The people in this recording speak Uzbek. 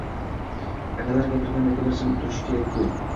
Akalar gapirganda ukalar jim turishi kerak-ku